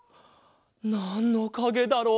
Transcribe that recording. なんのかげだろう？